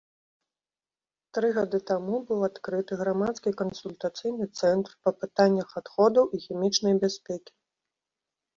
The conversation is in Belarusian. Тры гады таму быў адкрыты грамадскі кансультацыйны цэнтр па пытаннях адходаў і хімічнай бяспекі.